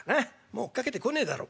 もう追っかけてこねえだろ。